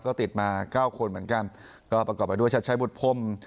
ก็ติดมาเก้าคนเหมือนกันก็ประกอบไปด้วยชัดใช้บุตรพรม